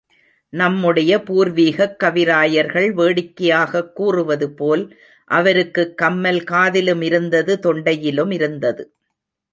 நம்முடைய பூர்வீகக் கவிராயர்கள் வேடிக்கையாகக் கூறுவது போல், அவருக்குக் கம்மல் காதிலுமிருந்தது, தொண்டையிலுமிருந்தது.